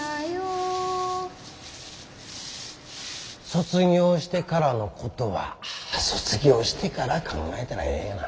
卒業してからのことは卒業してから考えたらええがな。